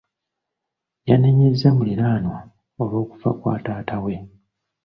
Yanenyezza muliraanwa olw'okufa kwa taata we.